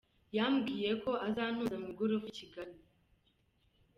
Yambwiye ko azantuza mu igorofa i Kigali.